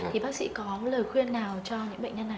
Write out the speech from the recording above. thì bác sĩ có lời khuyên nào cho những bệnh nhân này